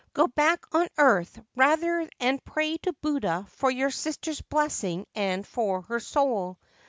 Go back on earth, rathei and pray to Buddha for your sister's blessing am for her soul.